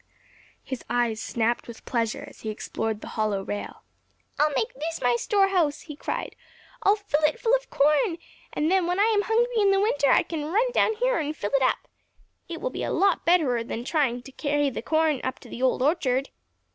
His eyes snapped with pleasure as he explored the hollow rail. "I'll make this my store house!" he cried. "I'll fill it full of corn, and then when I am hungry in the winter, I can run down here and fill up. It will be a lot better than trying to carry the corn up to the Old Orchard."